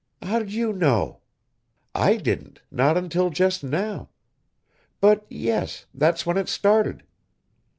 "How'd you know? I didn't not until just now. But, yes, that's when it started.